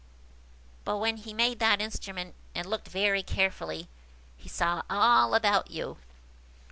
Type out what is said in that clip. But when he made that instrument, and looked very carefully, he saw all about you."